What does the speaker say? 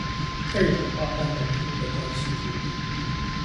二氧化碳濃度的關係圖